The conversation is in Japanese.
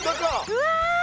うわ！